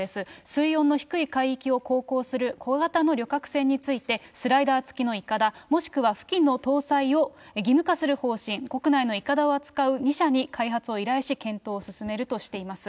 水温の低い海域を航行する小型の旅客船について、スライダー付きのいかだ、もしくは搭載を義務化する方針、国内のいかだを扱う２社に開発を依頼し、検討を進めるとしています。